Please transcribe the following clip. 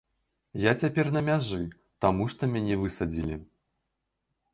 Я цяпер на мяжы, таму што мяне высадзілі.